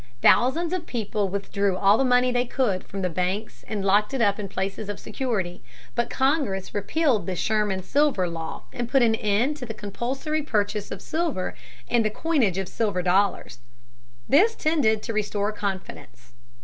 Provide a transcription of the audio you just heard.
Thousands of people withdrew all the money they could from the banks and locked it up in places of security. But Congress repealed the Sherman Silver Law and put an end to the compulsory purchase of silver and the coinage of silver dollars. This tended to restore confidence.